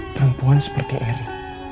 perempuan seperti erin